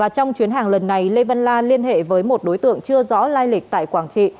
trong chuyến hàng lần này lê văn la liên hệ với một đối tượng chưa rõ lai lịch tại quảng trị